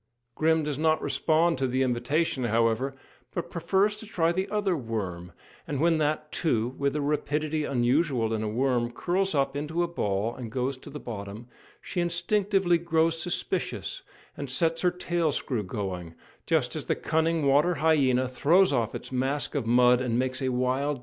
Grim does not respond to the invitation, however, but prefers to try the other "worm," and when that, too, with a rapidity unusual in a worm, curls up into a ball and goes to the bottom, she instinctively grows suspicious, and sets her tail screw going, just as the cunning water hyena throws off its mask of mud, and makes a wild dash at her.